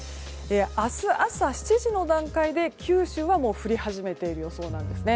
明日朝７時の段階で、九州はもう降り始めている予想ですね。